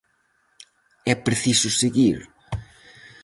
É preciso seguir?